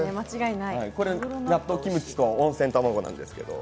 これ納豆キムチと温泉卵なんですけど。